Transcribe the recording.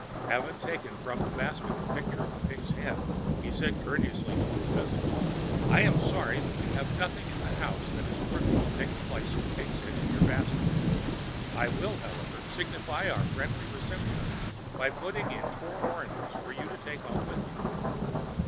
Having taken from the basket the picture of the pig's head, he said courteously to his visitor: "I am sorry that we have nothing in the house that is worthy to take the place of the pig's head in your basket. I will, however, signify our friendly reception of it by putting in four oranges for you to take home with you."